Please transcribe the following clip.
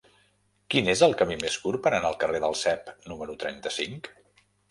Quin és el camí més curt per anar al carrer del Cep número trenta-cinc?